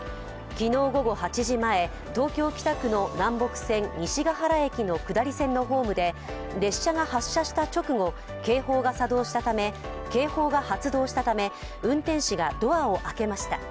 昨日午後８時前東京・北区の南北線、西ケ原駅の下り線のホームで列車が発車した直後、警報が発動したため、運転士がドアを開けました。